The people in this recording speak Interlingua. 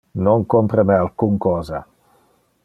Non compra me alcun cosa.